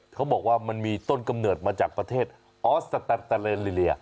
เขาบอกว่ามันมีต้นกำเนิดมาจากประเทศออสแตเลลิ